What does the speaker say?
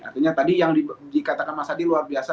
artinya tadi yang dikatakan mas adi luar biasa